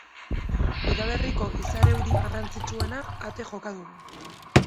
Udaberriko izar-euri garrantzitsuena ate joka dugu.